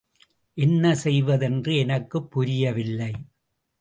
என்ன செய்வதென்று எனக்குப் புரியவில்லை.